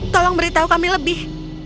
tolong beritahu kami lebih